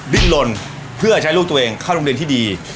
ดิ้นลนเพื่อใช้ลูกตัวเองเข้าโรงเรียนที่ดี